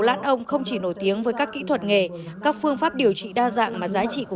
lạn ông không chỉ nổi tiếng với các kỹ thuật nghề các phương pháp điều trị đa dạng mà giá trị của